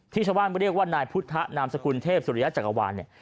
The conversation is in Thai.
ชาวบ้านเรียกว่านายพุทธนามสกุลเทพสุริยะจักรวาลเนี่ย